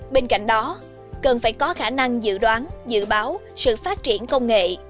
bên cạnh đó cần phải có khả năng dự đoán dự báo sự phát triển công nghệ